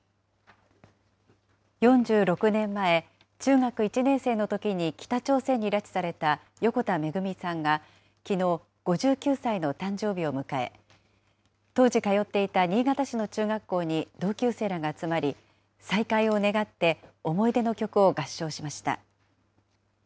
４６年前、中学１年生のときに北朝鮮に拉致された横田めぐみさんがきのう、５９歳の誕生日を迎え、当時通っていた新潟市の中学校に同級生らが集まり、再会を願って思い出の曲を合唱しました。